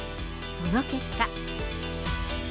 その結果。